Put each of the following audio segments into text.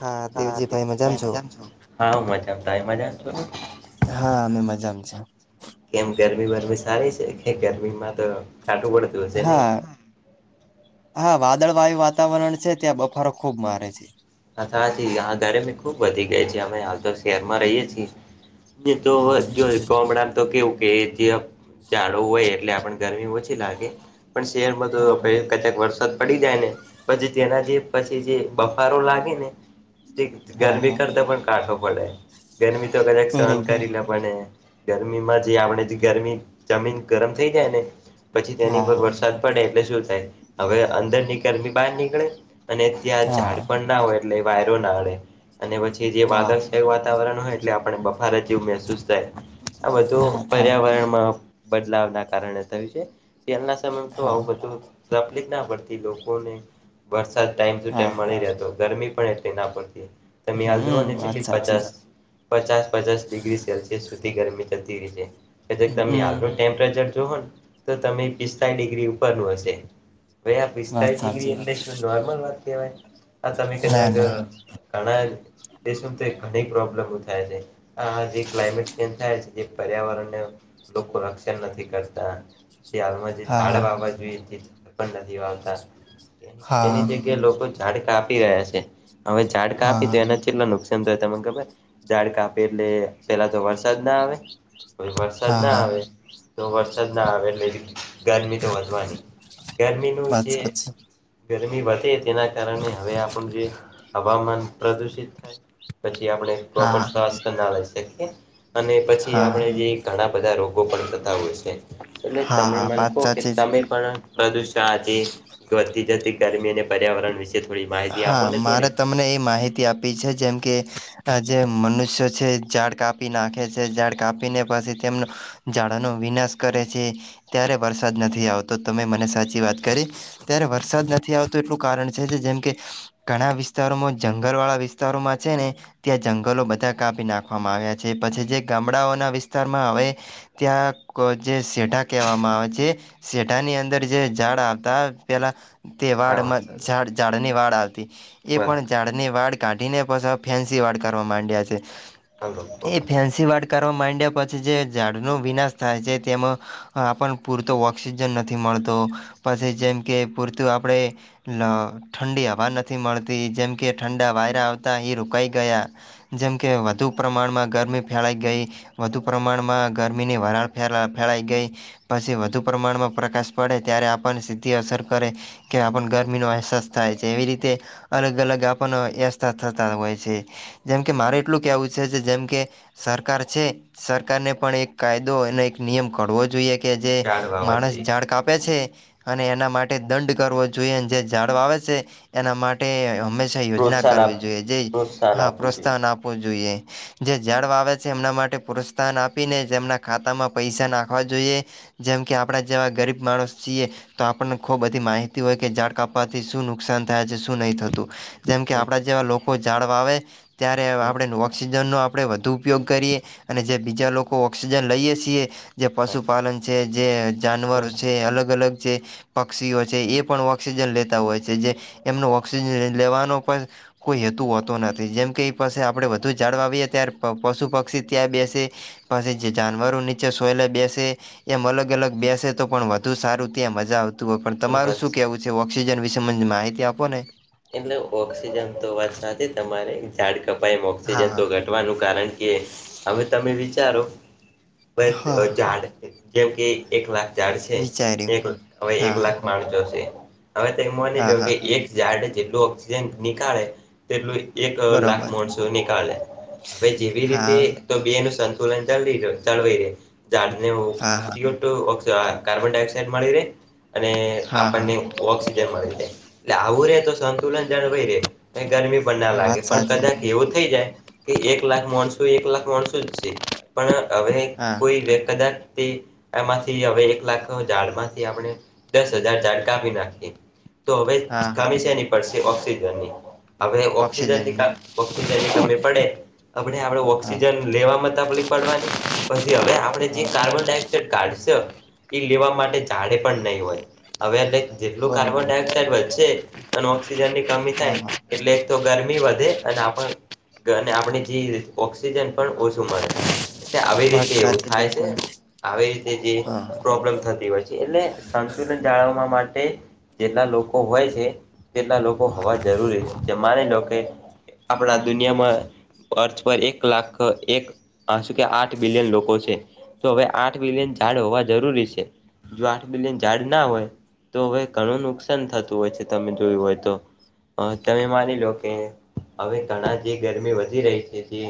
હા દેવજી ભાઈ મજામાં છો? ાું મજા મજા છો હા અમે મજામાં છે કેમ ગરમી વરમી સારી છે કે ગરમીમાં તો કાટું વડ હા હા વાદળ વાયુ વાતાવરણ છે ત્યાં બફારો ખુબ મારે છે. હચ આ ગરમી ખુબ વધી ગઈ છે અમે હાલ તો શહેર માં રહીએ છીએ હમ તો હમ જો ગમડા તો કેવું કે જે ડો હોય એટલે આપ ગરમી ઓછી લાગે. પણ શહેરમાં તો હા કચાક વરસાદ પડી જાય ને પછી તેના જે પછી જે બફારો લાગે. હા ગરમી હા કરતા પણ કાઠો પડે ગરમી તો કદા સહન બરોબર કરી લ પણ ગરમીમાં જે આપણે ગરમી જમીન ગરમ થઈ જાય ને. પછી તેની હા પર હા વરસાદ પડે એટલે શું થાય હવે અંદર ની ગરમી બહાર નીકળે. અને ત્યાં હા ઝાડ પણ ના હોય એટલે વાયરો ના અડે અને પછી જે હા વાદળછાયું વાતાવરણ હોય એટલે આપણે બફારા જેવું મહેસૂસ થાય આ બધું હા થાય પર્યાવરણમાં બદલાવ ના કારણે થયું છે તેલના સમય તો હા આવું બધું તકલીફ ના પડતી લોકોને વરસાદ ટાઈમ ટુ ટાઈમ હા મળી રહેતો ગરમી પણ એટલી ના પડતી હતી તમે આ હમ જોવાને છે વાત કે સાચી પચાસ પચાસ પચાસ ડિગ્રી સેલ્સિયસ સુધી ગરમી જતી રહી છે. કે તમે હમ હાલનું ટેમ્પરેચર જુવ ને તો તમે પિસ્તાળ ડિગ્રી ઉપરનું હશે. હવે આ વાત પિસ્તાવીસ ડિગ્રી સાચી એટલે શું આ નોર્મલ વાત કેવાય. ના ના ઘણી પ્રોબ્લેમ [unintelligible] થાય છે. હા હજી ક્લાઇમેટ ચેન્જ થાય છે જે પર્યાવરણને લોકો રક્ષણ નથી કરતા જે હાલમાં જે હા ઝડ હા બાબત નદી આવતા હા એની જગ્યા લોકો ઝાડકા આપી રહ્યા છે. હવે ઝાડકા આપી હા હા દ એનાથી કેટ નુકસાન થય તમને ખબર દાડ કાપે એટલે પેલા તો વરસાદ ના આવે કો વરસાદ હા ના હા આવે તો વરસાદ ના આવે એટલે ગરમી તો વધવાની. ગરમીનું વાત જે સાચી ગરમી વધે તેના કારણે હવે આપણું જે હવામાન પ્રદુષિત થાય પછી આપણે પ્રોપર હા સ્વાસ્થ ના લઈ શકીએ અને પછી હા હા આપણે જે ઘણા બધા રોગો પણ થતા હોય છે એટલે હા તમે હા મન વાત કહ કે સાચી છે. તમે પણ પ્રદુષણ આજે વધતી જતી ગરમી અને પર્યાવરણ વિશે થોડી માહિતી આપો હા ને મારે થોડી તમને એ માહિતી આપી છે જેમ કે આ જે મનુષ્યો છે ઝાડ કાપી નાખે છે ઝાડ કાપી ને પછી તેમનું ઝાડાનો વિનાશ કરે છે ત્યારે વરસાદ નથી આવતો તમે મને સાચી વાત કરી. ત્યારે વરસાદ નથી આવતો એટલું કારણ છે જેમ કે ઘણા વિસ્તારોમાં જંગલ વાળા વિસ્તારોમાં છે ને ત્યાં જંગલો બધા કાપી નાખવામાં આવ્યા છે પછી જે ગામડાઓના વિસ્તારમાં હવે ત્યાં જે સેઢા કહેવામાં આવે છે. શેટાની અંદર જે ઝાડ આવતા પેલા તે હા વાળમાં વરસાદ ઝાડ ઝાડની વાળ આવતી એ પણ વરસાદ ઝાડ વાડ કાઢીને પછ ફેન્સી વાડ કરવા માંડ્યા છે એ ફેન્સી સીીવાડકારો માંડ્યા પછી જે ઝાડનો વિનાશ થાય છે તેમાં આપણ પૂરતો ઓક્સિજન નથી મળતો પછી જેમ કે પૂરતું આપણે ઠંડી હવા નથી મળતી જેમ કે ઠંડા વાયરા આવતા અહી રોકાઈ ગયા જેમકે વધુ પ્રમાણમાં ગરમી ફેળઈ ગઈ વધુ પ્રમાણમાં ગરમીની વરાળે ફેલાઈ ગઈ પછી વધુ પ્રમાણમાં પ્રકાશ પડે ત્યારે આપણને સીધી અસર કરે કે આપણ ગરમી ન શસ્તાાય જે એવી રીતે અલગ અલગ આપણ વસ્થા થતા હોય છે. જેમ કે મારે એટલું કેવું છે જેમ કે સરકાર છે સરકારને પણ એક કાયદો અને એક નિયમ કડવો જોઈએ. કે જે ઝાડ વાવા માણસ જોઈએ ઝાડ કાપે છે અને એના માટે દંડ કરવો જોઈએ જે ઝાડો આવે છે એના માટે હંમેશા યોજના પ્રોત્સાહન આપ કરવી જોઈએ જે પ્રોત્સાહન હા આપવું જોઈએ પ્રોત્સાહન આપવું જોઈએ. જે જાઝડ વા આવે છે એમના માટે પ્રોત્સાહન આપીને જેમના ખાતામાં પૈસા નાખવા જોઈએ. જેમ કે આપણા જેવા ગરીબ માણસ છીએ તો આપણને ખૂબ બધી માહિતી હોય કે ઝાડ કાપવાથી શું નુકસાન થાય છે શું નહીં થતું જેમ કે હમ આપણા જેવા લોકો જાડ વાવે ત્યારે હમ આપણે ઓઑક્સિજનનો આપણે વધુ ઉપયોગ કરીએ અને જે બીજા લોકો ઓક્સિજન લઈએ છીએ જે પશુપાલન છે જે જાનવર હમ. છે અલગ અલગ જે પક્ષીઓ છે એ પણ ઓક્સિજન લેતા હોય છે જે એમનો ઓક્સિજન લેવાનો પણ કોઈ હેતુ હોતો નથી જેમકે એ પાસે આપણે વધુ ઝાડવા આવીએ ત્યાર પશુ પક્ષી ત્યાં બેસે પછી જે જાનવરો નીચે સોયલે બેસે એમ અલગ અલગ બેસે તો પણ વધુ સારું ત્યાં મજા આવ. ું હોય પણ તમારું શું વાત કેવું છે ઓક્સિજન વિશે માહિતી આપો ને એટલે ઓક્સિજન તો વાત સાથે તમા ઝાડ કપાઈ ઓક્સિજન હા તો ઘટ કારણ કે હવે તમે વિચારો હા ઝાડ જેમ કે એક લાખ ઝાડ છે વિચાર્યું એક હવે હા એક હા લાખ માણ જોશે હવે તો એ માની હા લો હા કે એક ઝાડે જેટલું ઓક્સિજન નીકળે તેટલું એક લાખ બરોબર માણસો નીકાળે હવે જેવી રીતે હા તો બે એ ન સંતુલન ચ ચળવાઈ રહે ઝાડને હા હા કાર્બન ડાયક્સાઇડ મળી ર અને હા હા આપણને ઓક્સિજન મળી જ એટલે આવું રે તો સંતુલન જન હોય રે ગરમી ના આ લાગે વાત પણ સાચી કદાચ એવું થઈ જાય કે એક લાખ માણસું એક લાખ માણસું જ છે પણ હવે હા કોઈ કદા તે આમાંથી હવે એક લાખ ઝાડમાંથી આપણે દસ હજાર ઝાડ કાપી નાખીએ તો હવે હા હા કામી છેની પડશે ઓક્સિજનની હવે ઓક્સજનની ઓક્સિજનની ઓક્સિજન ની કમી પડે આપડ આપડ હા ઓક્સિજન લેવામાં તકલીફ પડવાની પછી હવે આપડે હા જે બરોબર કાર્બન ડાયોક્સાઇડ કાઢશે એ લેવા માટે જાડે પણ નહીં હોય હવે એટ જેટલું કાર્બન બરોબર ડાયોક્સાઇડ વધશે ઓક્સિજન ની કમી હા થાય હા એટલે એક તો ગરમી વધે અને આપ અને આપણે જે ઓક્સિજન પણ ઓછું મળે એટલે આવી વાત રીતે એવું સાચી થાય છે બિલકુલ આવી રીતે જે હા હા પ્રોબ્લેમ થતી હોય છે એટલે સંતુલન જાળવવા માટે જેટલા લોકો હોય છે તેલા લોકો હા હોવા હા જરૂરી છે જે માની લો કે આપણા દુનિયામાં અર્થ પર એક લાખ એક આ શું કે આઠ બિલિયન લોકો છે તો હવે આઠ બિલિયન ઝાડ હોવા જરૂરી છે જો આઠ બિલિયન ઝાડ ના હોય તો હવે ઘણું નુકસાન થતું હોય છે તમે જોયું હોય તો તમે માની લો કે હવે ઘણા જે ગરમી વધી રહી છે જે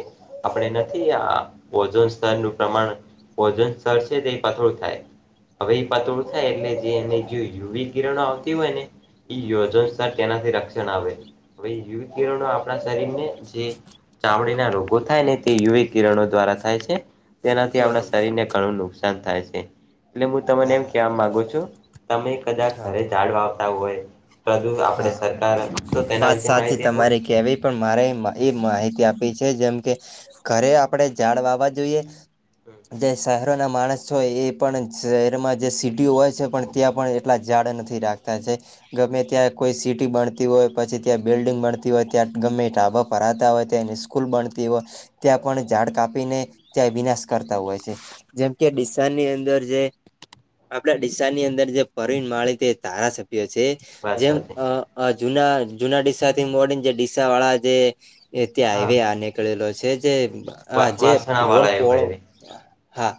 આપણે નથી આ ઓજન સ્તરનુંું પ્રમાણ ભજન સર છે તે પાથોળું થાય હવે એ પાતળું થાય એટલે જે એને યુવ કિરણો આવતી હોય ને યોજન તેનાથી રક્ષણ આવેયવિરણો આપણા શરીરને જે ચામડીના રોગો થાય ને તે યુવ કિરણો દ્વારા થાય છે તેનાથી આપણા બરોબર શરીર ને ઘણું નુકસાન થાય છે એટલે હું તમને હા એમ હા કેવા માંગુ છું તમે કદા હા ઘરે ઝાડ વાવતા હોય પ્રદુ આપણે હા સરકાર તો તેના વાત વિશે સાચી માહિતી આપો ને તમારે કહેવી પણ મારે એ માહિતી આપી છે જેમ કે ઘરે આપણે ઝાડ વાવા જોઈએ જે શહેરોના માણસ છ એ પણ શહેરમાં જે સીડીઓ હોય છે પણ ત્યાં પણ એટલા ઝાડે નથી રાખતા છે ગમે ત્યાં કોઈ સિટી બણતી હોય પછી ત્યાં બિલ્ડિંગ બણતી હોય ત્યાં ગમે ઢાબા ભરાતા હોય ત્યાં એની સ્કૂલ બણતી હોય. ત્યાં પણ ઝાડ કાપીને ત્યાં વિનાશ કરતા હોય છે. જેમ કે ડીસા ની અંદર જે આપણા ડીસ્સા ની અંદર જે પરવીન માળી તે ધારાસભ્યો છે વાત જેમ. સાથે અ અ જુના જુના ડીસા થી મોડીને જે ડીસા વાળા જે હા [unintelligible] નીકળેલો છે જે વા આ જે વાસણા રોડ વાળા એવું પોળો ભાઈ હા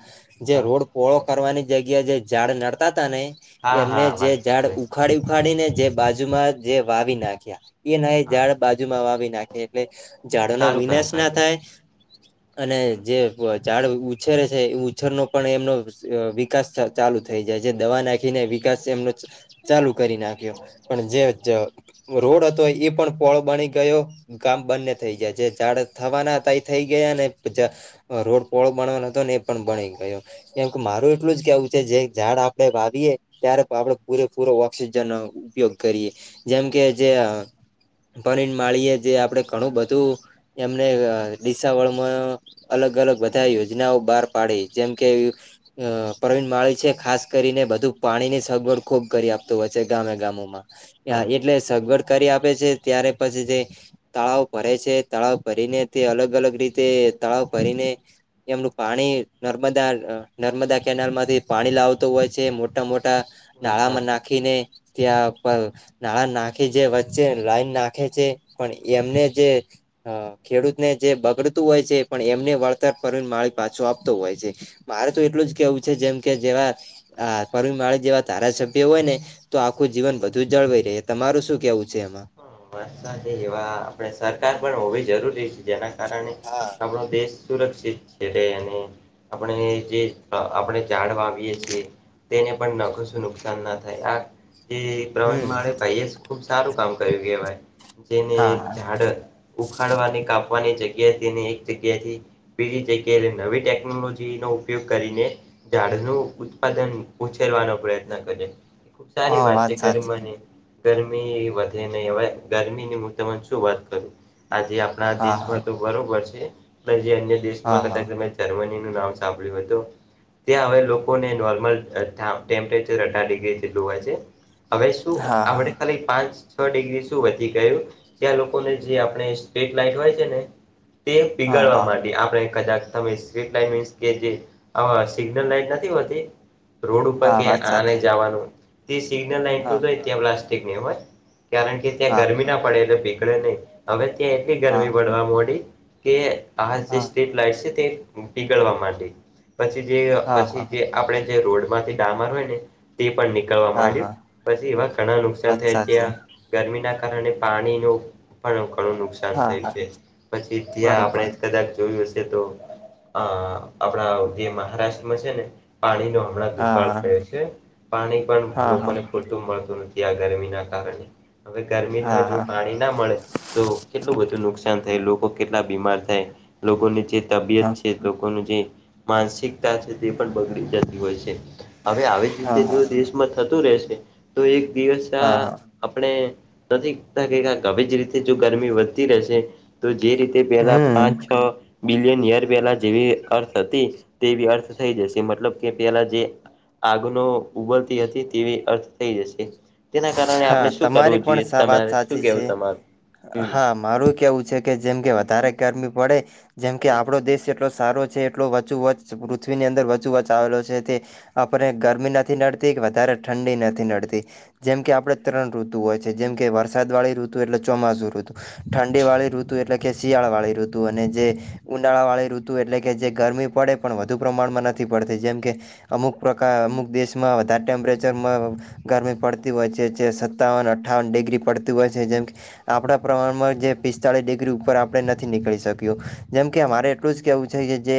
જે હા રોડ પોળો કરવાની જગ્યા જે ઝાડ નડતા તા ને હા એમને હા જે વાત ઝાડ સાંભળે ઉ ઉખાડી ઉખાડીને જે બાજુમાં જે વાવી નાખ્યા એ ના એ હા ઝાડ બાજુમાં વાવી નાખે એટલે ખુબ ઝાડો નો સારું વિનાશ કામ ના કર્યું થાય અને હા જે ઝાડ ઉછેરે છે એ ઉછેરનો પણ એમનો વિ વિકાસ ચાલુ થઈ જાય જે દવા નાખીને વિકાસ એમનો ચાલુ કરી નાખ્યો પણ જે જ રોડ હતો એ પણ પોળો બની ગયો ગામ બંને થઈ જાય જે ઝાડ થવાના હતા એ થઈ ગયા ને રોડ પોળો બનવાનો હતો ને એ પણ બની ગયો કેમ કે મારું એટલું જ કેવું છે જે ઝાડ આપ વાવીએે ત્યારે [inaudible] પૂરેપૂરો ઓક્સિજન ઉપયોગ કરીએ જેમ કે જે પણી માળીએ જે આપડણે ઘણું બધું એમને ડીશા વળમાં અલગ અલગ બધા યોજનાઓ બાર પાડે જેમ કે અ પ્રવીણ માળી છે ખાસ કરીને બધું પાણી ની સગવડ ખુબ કરી આપતું હોય છે ગામે ગામોમાં હા એટલે સગવડ કરી આપે છે ત્યારે પછી જે તળાવ ભરે છે તળાવ ભરીને તે અલગ અલગ રીતે તળાવ ભરીને એમનું પાણી નર્મદા નર્મદા કેનાલ માંથી પાણી લાવતું હોય છે મોટા મોટા વાત નાળા માં સાચી. નાખીને ત્યાં પર ધાળા નાખી જે વચ્ચે લાઈન નાખે છે પણ એમને જે હ ખેડૂતને જે બગડતું હોય છે પણ એમને પડતર પડે પાછું આપતો હોય છે મારે તો એટલું જ કેવું છે જેમ કે જેવા હા [unintelligible] જેવા ધારાસભ્ય હોય ને તો આખું જીવન બ જળ [unintelligible] તમારું શું કેવું છે એમાં એવા આપણે સરકાર પણ હોવી જરૂરી છે જેના કારણે હા આપણું દેશ સુરક્ષિત છે એની આપણે જે આપણે જાડ વાવીએ છીએ તેને પણ ન કશું નુકસાન ના થાય આ પ્રવણ માળે ભાઈએ ખુબ સારું કામ કર્યું કેવાય જેને હા ઝાડ ઉખાડવાની કાપવાની જગ્યે તે ને એક જગ્યાથી બીજી જગ્યાએ નવી ટેકનોલોજી નો ઉપયોગ કરીને ઝાડ નું ઉત્પાદન ઉછેરવાનો પ્રયત્ન કરે સારી હા વાત છે સાચી [unintelligible] ગરમી વધે નઈ અવે ગરમીની [unintelligible] શું વાત કરું આજે આપણા હા દેશમાં બરોબર છે પન જે અન્ય હા દેશમાં.. હા જર્મનીનું નામ સાંભળ્યું હતું ત્યાં હવે લોકોને નોર્મલ ટેમ્પરેચર અઢાર ડિગ્રી જેટલુ હોય છે. હવે શું હા હા હા હા હા આપડી ખાલી પાંચ છ ડિગ્રી શું વધી ગયું ત્યાં લોકોને જે આપણે સ્ટ્રીટ લાઈટ હોય છે ને તે પીગળવા હા માડી આપણે કદાચ તમે સ્ટ્રીટ લાઈ કે જે સિગ્નલ લાઈટ નથી હોતી રોડ ઉપર કે વાત આને સાચી જાવાનું તે સિગ્નલટનુ હા ત્યાં પ્લાસ્ટિક હોય કારણ કે ત્યાં હા ગરમી ન પડે એટલે પીગળે નઈ હવે ત્યાં એટલી હા ગરમી પડવા મોડી કે આ જે હા સ્ટ્રીટ લાઈટ સે તે પીગળવા માડી પછી જે હા પછી જે આપણે જે રોડ માંથી ડામર હોય ને તે પણ નીકળવા હા માંડ્યું હા પછી એવા ઘણા નુકસાન વાત થઈ ગયા સાચી ગરમી ના કારણે પાણી નુ પણ ઘણું નુકસાન હા થયું હા છે પછી ત્યાં બરોબર આપણે કદાચ જોયું હશે તો અ આપણા જે મહારાષ્ટ્રમાં છે ને પાણીનો હણાં દુકાળ હા પેઅ છે પાણી પણ હા હા લોકોને પુરતું મળતું નથી આ ગરમી ના કારણે હવે હા ગરમીમાં જો હા પાણી ના મળે. તો કેટલું બધું નુકસાન થાય લોકો કેટલા બીમાર થાય લોકોની જે તબિયત હા છે. લોકો જે માનસિકતા છે તે પણ બગડી જતી હોય છે હવે આવી. હા રીતે હા જો હા દેશમાં થતું રહેશે તો એક દિવસ હા આ હા આપણે નથીતા આવી જ રીતે જો ગરમી વધતી રહેશે. તો જે રીતે પેલા હમ પાંચ છ બિલિયન યર પહેલા જેવી અર્થ હતી તેવી અર્થ થઈ જશે મતલબ કે પેલા જે આગનો ઉગરતી હતી તેવી અર્થ થઈ જશે તેના કારણે હા આપણે શું તમારી કરવું પણ જોઈએ વાત તમારે શું સાચી કેવું છે તમારું હમ હા મારું કેવું છે કે જેમ કે વધારે ગરમી પડે જેમકે હમ આપડો દેશ એટલો એટલો સારો છે એટલો વચોવચ‌ પૃથ્વીની અંદર વચોવચ આવેલો છે તે આપણે ગરમી નથી નડતી કે વધારે ઠંડી નથી નડતી જેમ કે આપણે ત્રણ ઋતુ હોય છે જેમ કે વરસાદવાળી ઋતુ એટલે ચોમાસુ ઋતુ ઠંડીવાળી ઋતુ એટલે કે શિયાળાવાળી ઋતુ અને જે ઉનાળાવાળી ઋતુ એટલે કે જે ગરમી પડે પણ વધુ પ્રમાણમાં નથી પડતી જેમ કે અમુક પ્રકાર અમુક દેશમાં વધારે ટેમ્પરેચરમાં ગરમી પડતી તી હોય છે જે સત્તાવન અઠ્ઠાવન ડિગ્રી પડતી હોય છે જેમ કે આપણા પ્રમાણમાં જે પિસ્તાળસ ડિગ્રી ઉપર આપણે નથી નીકળી શક્યો જેમ કે અમારે એટલું જ કેહેવું છે કે જે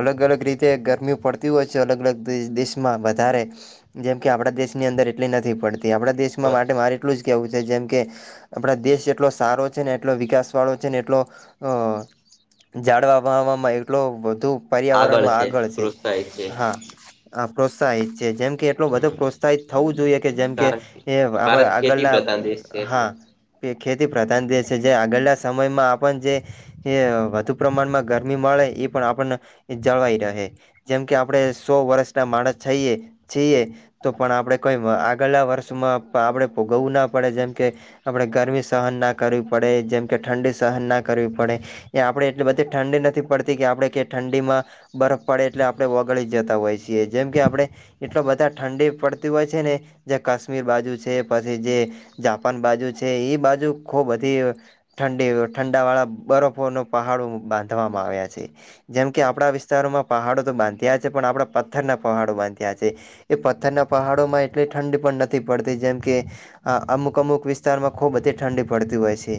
અલગ અલગ રીતે ગરમી પડતી હોય છે અલગ અલગ દેશમાં વધારે જેમ કે આપણા દેશની અંદર એટલી નથી પડતી આપણા દેશમાં માટે બસ મારે એટલું જ કેવું છે જેમ કે આપણા દેશ એટલો સારો છે ને એટલો વિકાસ વાળો છે ને એટલો અ જાડવા વાવામાં એટલો વધુ પર્યાવરણમાં આગળ છે હા આ પ્રોત્સાહિત છે જેમ કે એટલો બધો હમ પ્રોત્સાહિત થવું જોઈએ કે જેમ કે કારણ એ આપ ભારત ખેતી આગળના પ્રધાન દેશ છે હા એટલે ખેતી પ્રધાન દેશ છે જે આગળના સમયમાં આપણ જે એ વધુ પ્રમાણમાં ગરમી મળે એ પણ આપણને જળવાઈ રહે જેમ કે આપડણે સો વર્ષ ના માણસ છઈએ છીએ તો પણ આપડણે કોઈ આગલા વર્ષ કમાં આપણે ભોગવવું ના પડે જેમ કે આપડણે ગરમી સહન ના કરવી પડે જેમ કે ઠંડી સહન ના કરવી પડે એ આપણેે એટલે બધી ઠંડી નથી પડતી કે આપણેે કે ઠંડી માં બરફ પડે એટલે આપણે ઓગળી જતા હોય છીએ જેમ કે આપણે એટલો બધા ઠંડી પડતી હોય છે ને કાશ્મીર બાજુ છે પછી જે જાપાન બાજુ છે એ બાજુ ખૂબ બધી ઠંડી ઠંડાવાળા બરફોનો પહાડો બાંધવામાં આવ્યા છે જેમ કે આપણા વિસ્તારોમાં પહાડો તો બાંધ્યા છે પણ આપણા પથ્થરના પહાડો બાંધ્યા છે એ પથ્થરના પહાડોમાં એટલે ઠંડી પણ નથી પડતી જેમ કે અમુક અમુક વિસ્તારમાં ખૂબધી ઠંડી પડતી હોય છે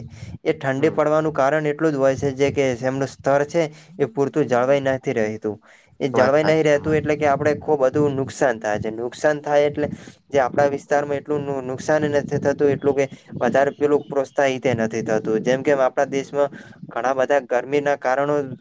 એ ઠંડે હમ પડવાનું કારણ એટલું જ હોય છે જે કેમનું સ્તર છે એ પૂરતું જળવાઈ નથી રતું એ વાત જળવાઈ નહિ સાચી રહેતું તમારી. એટલે કે આપડે ખુબ બધું નુકસાન થાય છે નુકસાન થાય એટલે જે આપડા વિસ્તારમાં એટલું નુકસાન નથી થતું એટલું કે વધારે પેલું પ્રોત્સાહિત નથી થતું જેમ કેમ આપણા હમ દેશમાં ઘણા બધા ગરમી ના કારણો